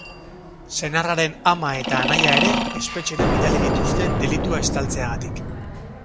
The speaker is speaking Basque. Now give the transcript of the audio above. Senarraren ama eta anaia ere espetxera bidali dituzte delitua estaltzeagatik.